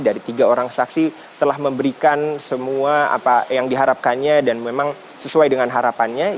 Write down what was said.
dari tiga orang saksi telah memberikan semua apa yang diharapkannya dan memang sesuai dengan harapannya